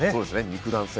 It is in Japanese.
肉弾戦